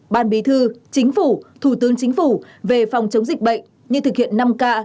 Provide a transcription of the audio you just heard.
ban bí thư chính phủ thủ tướng chính phủ về phòng chống dịch bệnh như thực hiện năm k